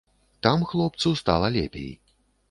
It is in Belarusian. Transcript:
Там хлопцу стала лепей.